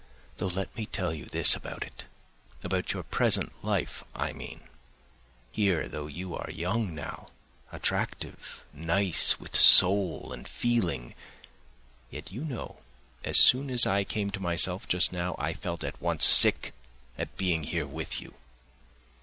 Though let me tell you this about it—about your present life, I mean; here though you are young now, attractive, nice, with soul and feeling, yet you know as soon as I came to myself just now I felt at once sick at being here with you!